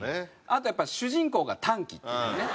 あとやっぱり主人公が短気っていうね。